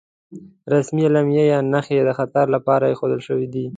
رسمي علامې یا نښې د خطر لپاره ايښودل شوې دي.